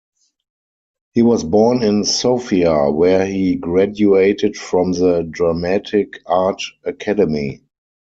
He was born in Sofia, where he graduated from the dramatic art academy.